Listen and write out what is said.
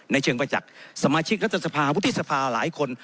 เชิงประจักษ์สมาชิกรัฐสภาวุฒิสภาหลายคน